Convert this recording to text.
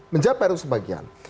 menjawab pr itu sebagian